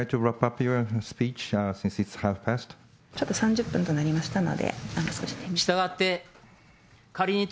ちょっと３０分となりましたので、少し手短に。